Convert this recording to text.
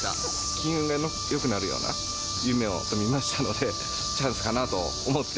金運がよくなるような夢を見ましたので、チャンスかなと思って。